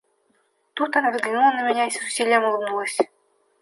Тут она взглянула на меня и с усилием улыбнулась.